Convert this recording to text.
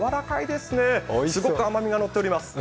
すごく甘みがのっております。